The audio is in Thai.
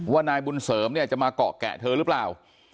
ว่านายบุญเสริมเนี่ยจะมาเกาะแกะเธอหรือเปล่า